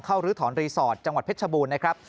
ลื้อถอนรีสอร์ทจังหวัดเพชรชบูรณ์นะครับ